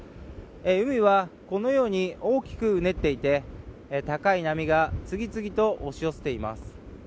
海はこのように大きくうねっていて高い波が次々と押し寄せています。